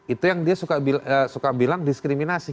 itu yang dia suka bilang diskriminasi